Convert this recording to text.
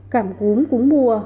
cảm cúm cúm mùa